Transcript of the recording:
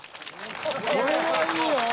これはいいよ。